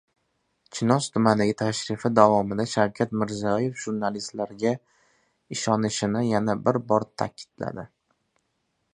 Chinoz tumaniga tashrifi davomida Shavkat Mirziyoev jurnalistlarga ishonishini yana bir bor ta’kidladi.